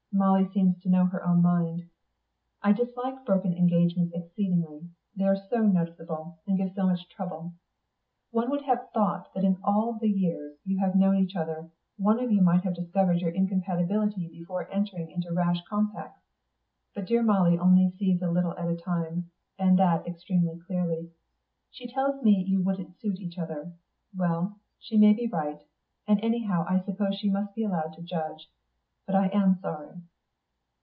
Molly seems to know her own mind. I dislike broken engagements exceedingly; they are so noticeable, and give so much trouble. One would have thought that in all the years you have known each other one of you might have discovered your incompatibility before entering into rash compacts. But dear Molly only sees a little at a time, and that extremely clearly. She tells me you wouldn't suit each other. Well, she may be right, and anyhow I suppose she must be allowed to judge. But I am sorry."